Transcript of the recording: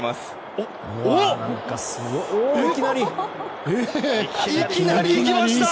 おお、いきなり行きました！